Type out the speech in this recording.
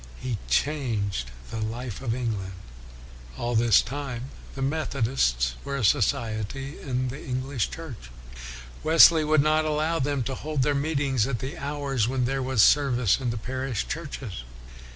He changed the life of England. All this time, the Methodists were a society in the English Church. Wesley would not allow them to hold their meet ings at the hours when there was service in the parish churches.